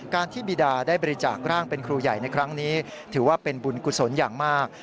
การที่บีดาได้บริจาคร่างเป็นครูใหญ่ในครั้งนี้ถือว่าเป็นบุญกุศลอย่างมาก